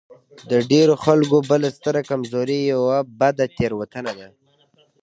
د ډېرو خلکو بله ستره کمزوري يوه بده تېروتنه ده.